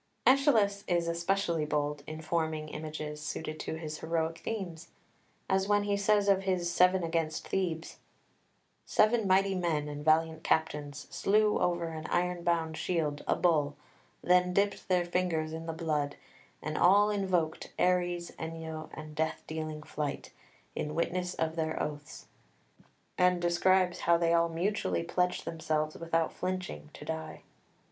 [Footnote 5: Eur. Phaet.] [Footnote 6: Perhaps from the lost "Alexander" (Jahn).] 5 Aeschylus is especially bold in forming images suited to his heroic themes: as when he says of his "Seven against Thebes" "Seven mighty men, and valiant captains, slew Over an iron bound shield a bull, then dipped Their fingers in the blood, and all invoked Ares, Enyo, and death dealing Flight In witness of their oaths," and describes how they all mutually pledged themselves without flinching to die.